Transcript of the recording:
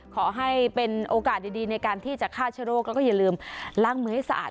ขอให้เป็นโอกาสดีในการที่จะฆ่าเชื้อโรคแล้วก็อย่าลืมล้างมือให้สะอาด